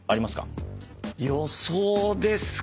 予想ですか。